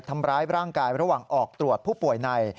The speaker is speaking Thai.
ทำร้ายร่างกายระหว่างออกตรวจผู้ป่วยใน